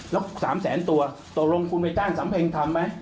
แล้ว๓แสนตัวตกลงคุณไปจ้างสำเพ็งทำไหม